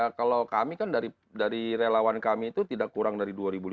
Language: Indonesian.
ya kalau kami kan dari relawan kami itu tidak kurang dari dua lima ratus